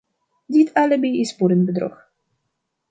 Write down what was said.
Dit alibi is boerenbedrog.